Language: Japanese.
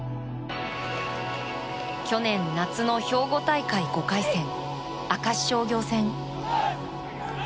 去年夏の兵庫大会５回戦明石商業戦。